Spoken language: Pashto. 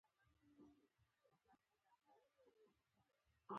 آیا د پورونو ورکړه ګرانه ده؟